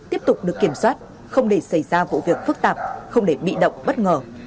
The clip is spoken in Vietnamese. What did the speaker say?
tiếp tục được kiểm soát không để xảy ra vụ việc phức tạp không để bị động bất ngờ